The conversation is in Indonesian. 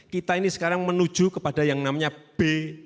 kita ini sekarang menuju kepada yang namanya b satu